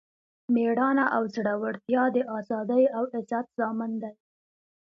میړانه او زړورتیا د ازادۍ او عزت ضامن دی.